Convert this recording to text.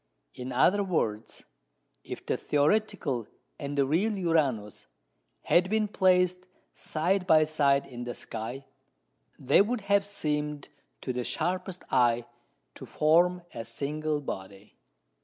In other words, if the theoretical and the real Uranus had been placed side by side in the sky, they would have seemed, to the sharpest eye, to form a single body.